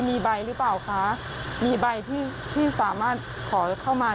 มีใบหรือเปล่าคะมีใบที่ที่สามารถขอเข้ามา